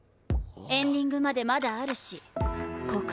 エンディングまでまだあるし告白前。